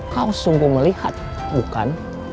kau sungguh melihat bukan